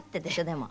でも。